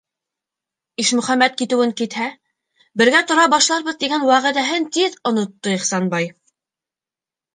Ишмөхәмәт китеүен китһә, бергә тора башларбыҙ тигән вәғәҙәһен тиҙ онотто Ихсанбай...